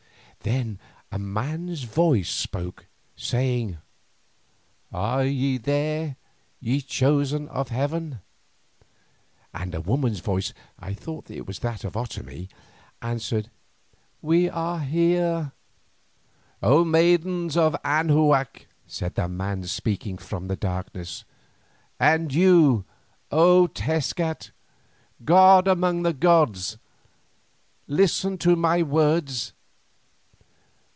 Then a man's voice spoke, saying: "Are ye there, ye chosen of heaven?" And a woman's voice, I thought it was that of Otomie, answered: "We are here." "O maidens of Anahuac," said the man speaking from the darkness, "and you, O Tezcat, god among the gods, listen to my words.